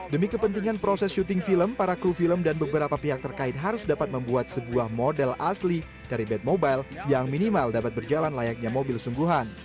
demi kepentingan proses syuting film para kru film dan beberapa pihak terkait harus dapat membuat sebuah model asli dari bat mobile yang minimal dapat berjalan layaknya mobil sungguhan